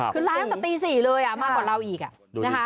คือร้านตั้งแต่ตีสี่เลยอ่ะมากกว่าเราอีกอ่ะดูดิ